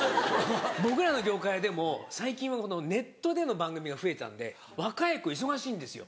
僕らの業界でも最近はネットでの番組が増えたんで若い子忙しいんですよ。